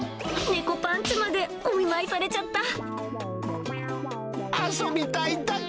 猫パンチまでお見舞いされちゃっ